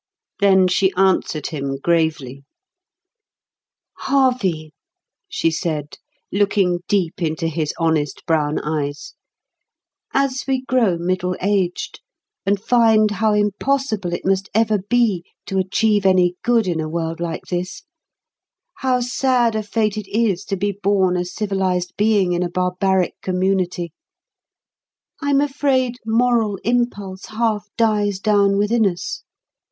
Then she answered him gravely. "Harvey," she said, looking deep into his honest brown eyes, "as we grow middle aged, and find how impossible it must ever be to achieve any good in a world like this, how sad a fate it is to be born a civilised being in a barbaric community, I'm afraid moral impulse half dies down within us.